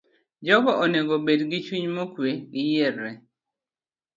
Jogo onego obed gi chuny mokuwe, giyier e